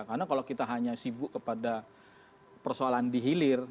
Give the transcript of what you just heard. karena kalau kita hanya sibuk kepada persoalan dihilir